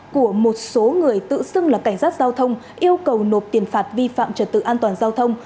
của một số người tự xưng là cảnh sát giao thông yêu cầu nộp tiền phạt vi phạm trật tự an toàn giao thông